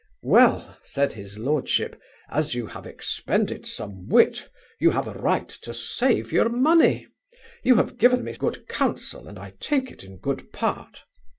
'Well (said his Lordship) as you have expended some wit, you have a right to save your money. You have given me good counsel, and I take it in good part.